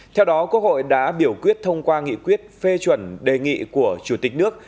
theo đó quốc hội đã biểu quyết thông qua nghị quyết phê chuẩn đề nghị của chủ tịch nước